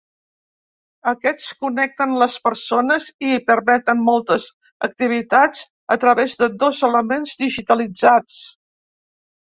Aquests connecten les persones i permeten moltes activitats a través de dos elements digitalitzats.